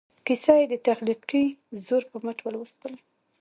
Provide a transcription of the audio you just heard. کیسه یې د تخلیقي زور په مټ ولوسته.